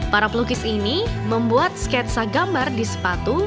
para pelukis ini membuat sketsa gambar di sepatu